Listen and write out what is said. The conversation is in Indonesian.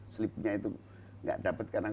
sleep nya itu gak dapat karena